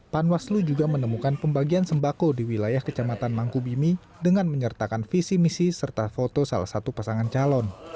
panwaslu juga menemukan pembagian sembako di wilayah kecamatan mangkubimi dengan menyertakan visi misi serta foto salah satu pasangan calon